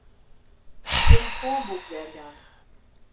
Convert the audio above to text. Tillefoanboek werjaan.